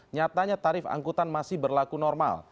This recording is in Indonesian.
nyatanya tarif angkutan masih berlaku normal